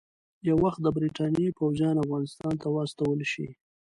یو وخت د برټانیې پوځیان افغانستان ته واستول شي.